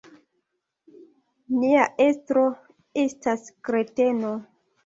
Nia estro estas kreteno.